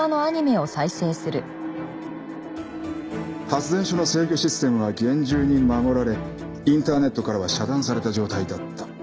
発電所の制御システムは厳重に守られインターネットからは遮断された状態だった。